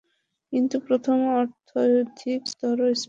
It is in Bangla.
কিন্তু প্রথম অর্থই অধিকতর স্পষ্ট।